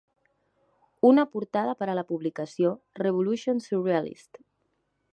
Una portada per a la publicació "Révolution Surrealiste".